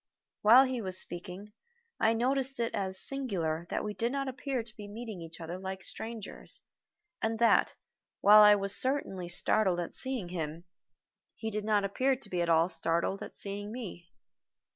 While he was speaking I noticed it as singular that we did not appear to be meeting each other like strangers, and that, while I was certainly startled at seeing him, he did not appear to be at all startled at seeing me.